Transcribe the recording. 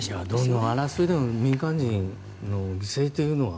どんな争いでも民間人の犠牲というのは。